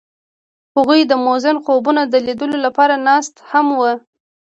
هغوی د موزون خوبونو د لیدلو لپاره ناست هم وو.